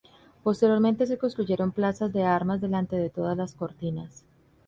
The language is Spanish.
Posteriormente se construyeron plazas de armas delante de todas las cortinas.